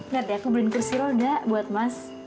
lihat ya aku beliin kursi roda buat mas